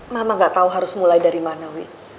mama gak tahu harus mulai dari mana wi